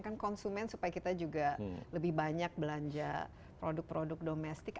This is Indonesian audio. kan konsumen supaya kita juga lebih banyak belanja produk produk domestik